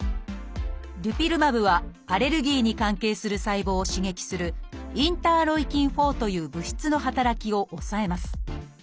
「デュピルマブ」はアレルギーに関係する細胞を刺激するインターロイキン−４という物質の働きを抑えます。